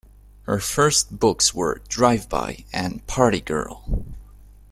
Her first books were "Drive-By" and "Party Girl".